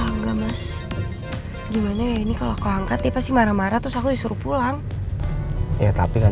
enggan mas gimana ini kalo kau angkat ya pasti marah dua enam puluh tiga pulang ya tapi kan